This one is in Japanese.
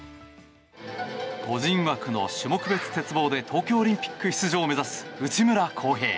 個人枠の種目別鉄棒で東京オリンピック出場を目指す内村航平。